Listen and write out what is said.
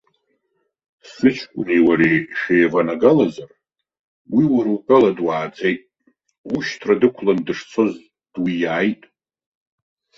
Сыҷкәыни уареи шәеиванагалазар, уи уара утәала дуааӡеит, ушьҭра дықәлан дышцоз, дуиааит.